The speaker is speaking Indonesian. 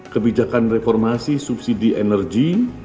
kebijakan reformasi subsidi energi